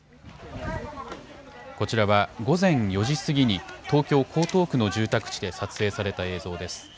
こちらは午前４時過ぎに東京江東区の住宅地で撮影された映像です。